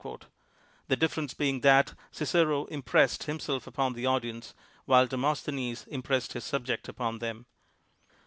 — the difference being that Cicero impressed himself upon the audience, while Demosthenes impressed his sub ject upon them.